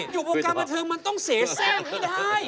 อยู่บวกการบันเทิงมันต้องเสียแซ่งไม่ได้